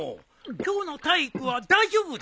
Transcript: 今日の体育は大丈夫だったかい？